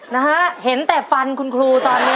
นะฮะเห็นแต่ฟันคุณครูตอนนี้